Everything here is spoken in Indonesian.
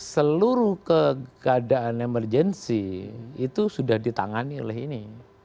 seluruh keadaan emergensi itu sudah ditangani oleh ini